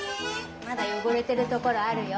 まだよごれてるところあるよ。